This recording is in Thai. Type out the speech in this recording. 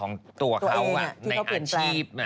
ของตัวเขาในอาชีพ